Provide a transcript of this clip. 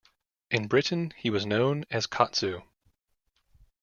In Britain he was known as "Katsu".